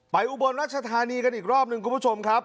อุบลรัชธานีกันอีกรอบหนึ่งคุณผู้ชมครับ